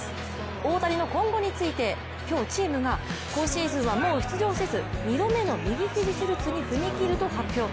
大谷の今後について今日チームが今シーズンはもう出場せず２度目の右肘手術に踏み切ると発表。